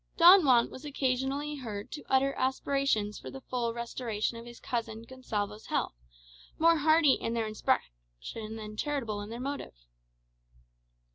Don Juan was occasionally heard to utter aspirations for the full restoration of his cousin Gonsalvo's health, more hearty in their expression than charitable in their motive.